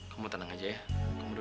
kamu tenang aja ya kamu duduk dulu ya